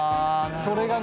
それがね